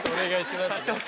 挑戦。